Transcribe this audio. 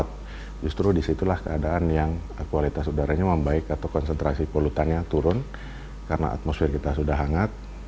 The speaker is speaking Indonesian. kondisi yang kedua adalah keadaan yang kualitas udaranya membaik atau konsentrasi polutannya turun karena atmosfer kita sudah hangat